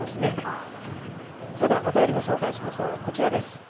それではお便りご紹介しましょう。